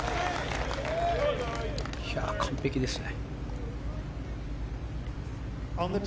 完璧ですね。